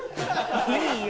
いいよ